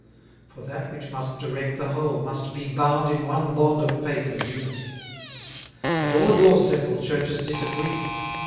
450 For that which must direct the whole must be Bound in one bond of faith and unity: But all your several Churches disagree.